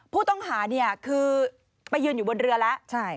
ผู้ต้องหาเนี่ยคือไปยืนอยู่บนเรือแล้ว